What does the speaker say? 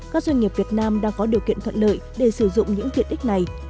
các doanh nghiệp việt nam đang có điều kiện thuận lợi để sử dụng những tiện ích này